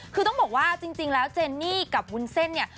คือต้องบอกว่าจริงแล้วเจนนี่กับวุ้นเส้นเนี่ย